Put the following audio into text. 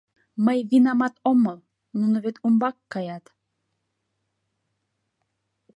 Мый винамат омыл, нуно вет умбак каят...